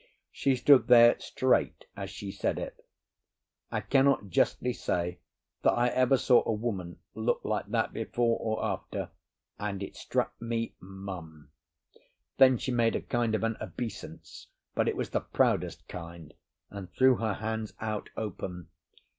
She stood there straight as she said it. I cannot justly say that I ever saw a woman look like that before or after, and it struck me mum. Then she made a kind of an obeisance, but it was the proudest kind, and threw her hands out open.